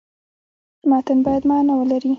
متن باید معنا ولري.